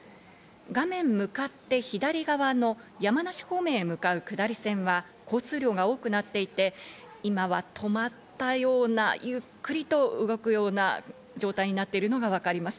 画面向かって左側の山梨方面へ向かう下り線は交通量が多くなっていて、今は止まったようなゆっくりと動くような状態になっているのが分かります。